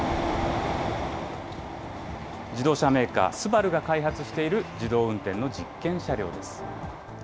自動車メーカー、ＳＵＢＡＲＵが開発している自動運転の実験車両です。